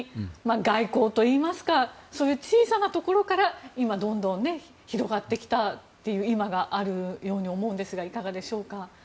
外交といいますかそういう小さなところからどんどん広がってきたという今があるように思うんですがいかがでしょうか。